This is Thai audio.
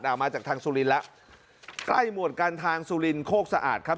เอามาจากทางสุรินทร์แล้วใกล้หมวดการทางสุรินโคกสะอาดครับ